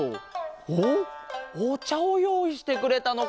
おっおちゃをよういしてくれたのか。